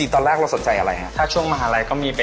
ตอนแรกเราสนใจอะไรฮะ